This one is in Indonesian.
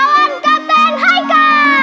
bawang kapten haika